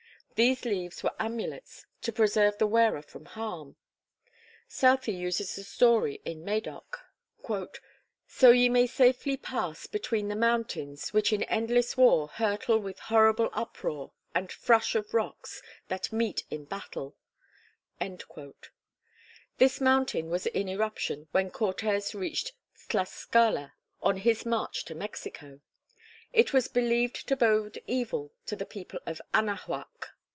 These leaves were amulets to preserve the wearer from harm. Southey uses this story in Madoc: "So ye may safely pass Between the mountains, which in endless war, Hurtle with horrible uproar, and frush Of rocks, that meet in battle." This mountain was in eruption when Cortes reached Tlascala on his march to Mexico. It was believed to bode evil to the people of Anahuac.